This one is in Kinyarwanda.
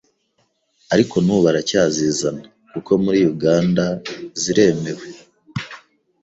ariko nubu baracyazizana kuko muri Uganda ziremewe